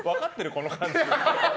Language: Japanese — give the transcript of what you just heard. この感じ。